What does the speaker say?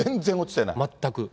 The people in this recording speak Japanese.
全く。